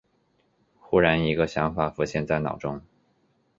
忽然一个想法浮现在脑中